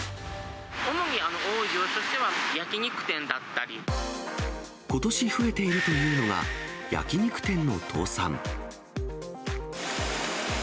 主に多い業種としては、ことし増えているというのが、焼き肉店の倒産。